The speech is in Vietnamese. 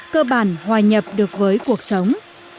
cơ bản hòa nhập được với cuộc sống